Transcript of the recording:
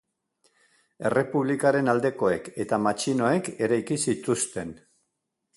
Errepublikaren aldekoek eta matxinoek eraiki zituzten.